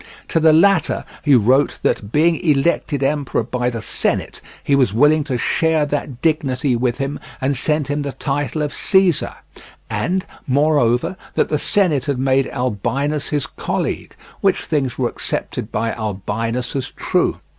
To the latter he wrote that, being elected emperor by the Senate, he was willing to share that dignity with him and sent him the title of Caesar; and, moreover, that the Senate had made Albinus his colleague; which things were accepted by Albinus as true.